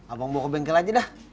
abang bawa ke bengkel aja dah